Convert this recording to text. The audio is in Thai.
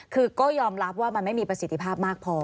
คือก็ยอมรับว่ามันไม่มีประสิทธิภาพมากพอ